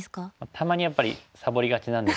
たまにやっぱりさぼりがちなんですけど。